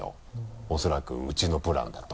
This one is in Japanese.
おそらくうちのプランだと。